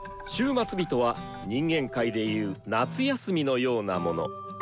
終末日とは人間界で言う夏休みのようなもの。